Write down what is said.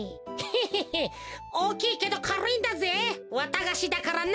へへへおおきいけどかるいんだぜわたがしだからな。